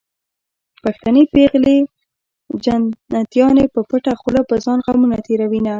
پښتنې پېغلې جنتيانې په پټه خوله په ځان غمونه تېروينه